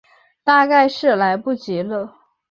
大概是来不及了